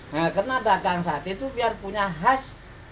nah karena dagang sate itu biar punya khas